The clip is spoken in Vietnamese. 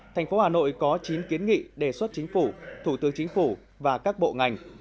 thành phố hà nội có chín kiến nghị đề xuất chính phủ thủ tướng chính phủ và các bộ ngành